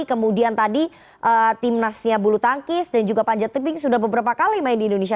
kemudian tadi timnasnya bulu tangkis dan juga panjat tebing sudah beberapa kali main di indonesia